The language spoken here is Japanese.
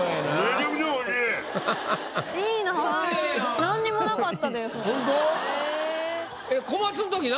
何にもなかった。